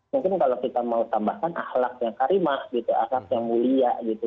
mungkin kalau kita mau tambahkan akhlak yang karimah gitu akhlak yang mulia gitu